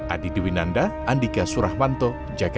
adi dewinanda andika surahwanto dan pak jokowi terima kasih